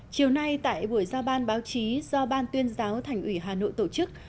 chiều nay tại buổi giao ban báo chí do ban tuyên giáo thành ủy hà nội tổ chức